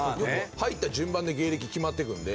入った順番で芸歴決まっていくので。